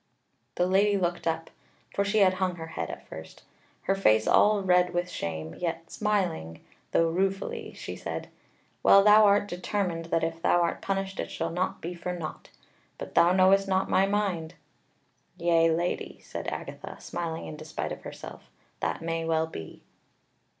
The Lady looked up (for she had hung her head at first), her face all red with shame, yet smiling, though ruefully, and she said: "Well, thou art determined that if thou art punished it shall not be for naught. But thou knowest not my mind." "Yea, Lady," said Agatha, smiling in despite of herself, "that may well be."